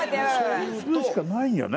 それしかないよね